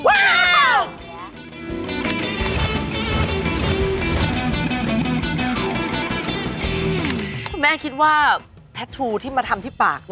คุณแม่คิดว่าแท็ตทูที่มาทำที่ปาก